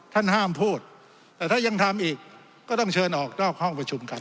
ท่านห้ามพูดแต่ถ้ายังทำอีกก็ต้องเชิญออกนอกห้องประชุมกัน